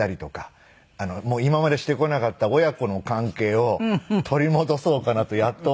今までしてこなかった親子の関係を取り戻そうかなとやっと思いまして。